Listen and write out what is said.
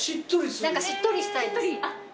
何かしっとりしたいです。